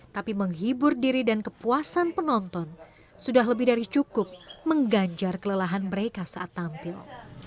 tapi menghibur diri dan kepuasan penonton sudah lebih dari cukup mengganjar kelelahan mereka saat tampil